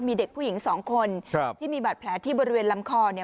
มีเด็กผู้หญิงสองคนครับที่มีบาดแผลที่บริเวณลำคอเนี่ย